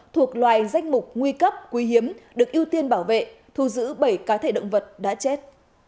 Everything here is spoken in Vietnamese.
thuộc loài danh mục nguy cấp quý hiếm được ưu tiên bảo vệ thu giữ bảy cá thể động vật đã chết